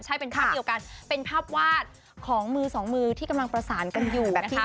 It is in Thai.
ใช่เป็นภาพเดียวกันเป็นภาพวาดของมือสองมือที่กำลังประสานกันอยู่นะคะ